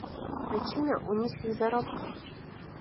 Прычына ў нізкіх заробках.